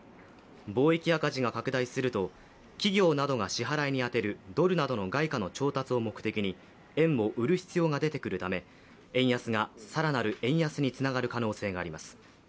貿易赤字が拡大すると企業などが支払いに充てるドルなどの外貨の調達を目的に円も得る必要が出てくるため円安が更なる円安につながる可能性があります。